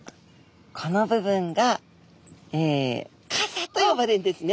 この部分が傘と呼ばれるんですね。